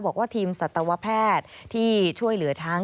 บอกว่าทีมสัตวแพทย์ที่ช่วยเหลือช้าง